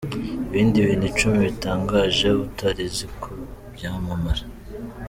Ibindi bintu Icumi bitangaje utari uzi ku byamamare